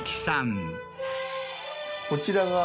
こちらが。